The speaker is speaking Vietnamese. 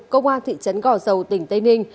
công an thị trấn gò dầu tỉnh tây ninh